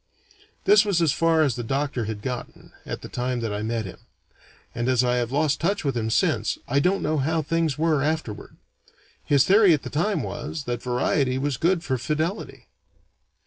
This was as far as the doctor had gotten, at the time that I met him; and as I have lost touch with him since, I don't know how things were afterward. His theory at the time was, that variety was good for fidelity.